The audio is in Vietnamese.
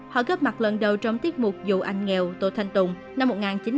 họ gấp mặt lần đầu trong tiết mục dù anh nghèo tô thanh tùng năm một nghìn chín trăm chín mươi chín